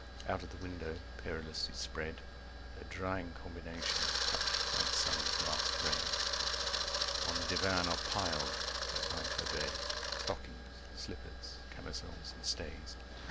Out of the window perilously spread Her drying combinations touched by the sun's last rays, On the divan are piled (at night her bed) Stockings, slippers, camisoles, and stays.